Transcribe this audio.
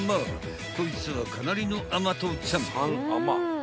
［こいつはかなりの甘党ちゃん］